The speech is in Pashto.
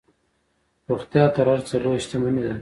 روغتیا تر هر څه لویه شتمني ده.